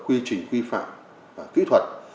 quy trình quy phạm và kỹ thuật